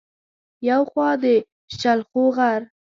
يو خوا د شلخو غر